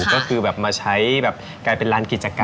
ก็คือแบบมาใช้แบบกลายเป็นร้านกิจกรรม